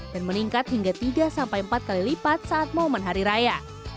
dan meningkat hingga tiga sampai empat kali lipat saat momen hari raya